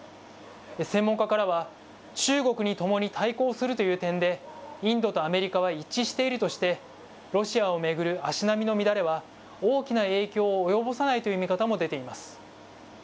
専門家からは、中国に共に対抗するという点で、インドとアメリカは一致しているとして、ロシアを巡る足並みの乱れは、大きな影響を及ぼさないという見方も出ています。